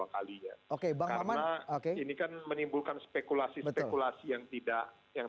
karena ini kan menimbulkan spekulasi spekulasi yang tidak